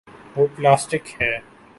وہ پلاسٹک ہے۔